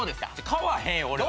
買わへんよ俺は。